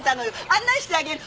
案内してあげる。